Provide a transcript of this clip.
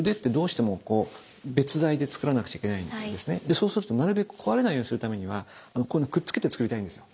そうするとなるべく壊れないようにするためにはここにくっつけてつくりたいんですよ。